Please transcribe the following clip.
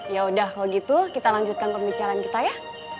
yaudah kalo gitu kita lanjutkan perbicaran kita ya